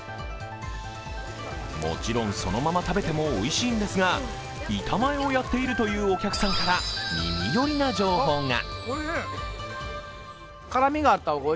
もちろんそのまま食べてもおいしいんですが板前をやっているというお客さんから耳寄りな情報が。